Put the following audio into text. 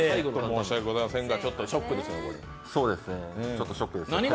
申し訳ございませんが。